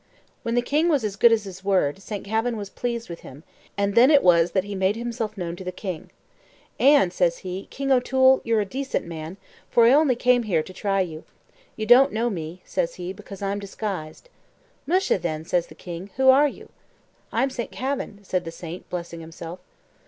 When the king was as good as his word, Saint Kavin was pleased with him, and then it was that he made himself known to the king. "And," says he, "King O'Toole, you're a decent man, for I only came here to try you. You don't know me," says he, "because I'm disguised." "Musha! then," says the king, "who are you?" "I'm Saint Kavin," said the saint, blessing himself.